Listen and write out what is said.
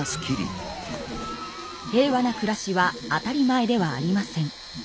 平和な暮らしは当たり前ではありません。